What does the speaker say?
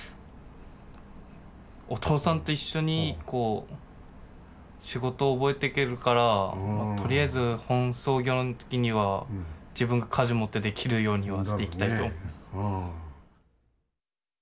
お父さんと一緒に仕事を覚えていけるからとりあえず本操業の時には自分が舵持ってできるようにはしていきたいと思います。